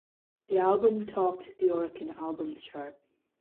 The album topped the Oricon Albums Chart.